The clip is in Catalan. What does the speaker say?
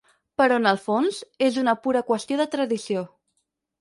Però en el fons, és una pura qüestió de tradició.